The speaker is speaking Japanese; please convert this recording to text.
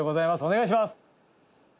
お願いします！」